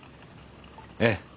ええ。